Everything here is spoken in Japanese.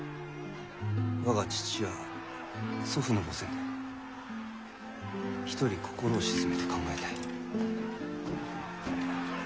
我が父や祖父の墓前で一人心を静めて考えたい。